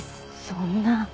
そんな。